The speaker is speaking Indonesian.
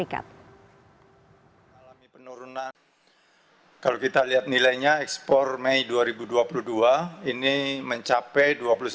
kalau kita lihat nilainya ekspor mei dua ribu dua puluh dua ini mencapai dua puluh satu lima